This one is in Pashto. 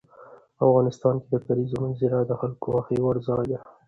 افغانستان کې د کلیزو منظره د خلکو د خوښې وړ ځای دی.